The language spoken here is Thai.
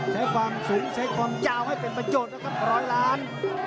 ใช้ความสูงใช้ความยาวให้เป็นประโยชน์นะครับร้อยล้าน